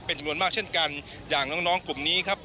เป็นจำนวนมากเช่นกันอย่างน้องน้องกลุ่มนี้ครับ